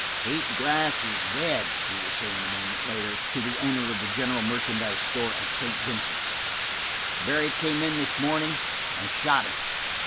"Pete Glass is dead," he was saying a moment later to the owner of the general merchandise store at St. Vincent. "Barry came in this morning and shot him.